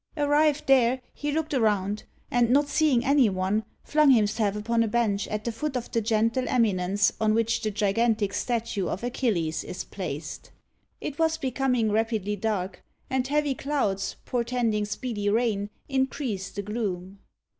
Arrived there, he looked around, and not seeing any one, flung himself upon a bench at the foot of the gentle eminence on which the gigantic statue of Achilles is placed. It was becoming rapidly dark, and heavy clouds, portending speedy rain, increased the gloom.